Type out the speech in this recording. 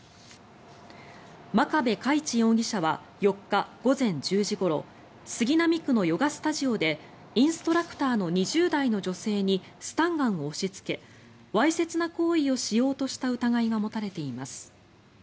眞壁佳一容疑者は４日午前１０時ごろ杉並区のヨガスタジオでインストラクターの２０代の女性にスタンガンを押しつけわいせつな行為をしようとした疑いが持たれています。